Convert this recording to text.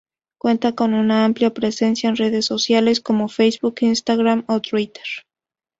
Cuenta con una amplia presencia en redes sociales como Facebook, Instagram o Twitter.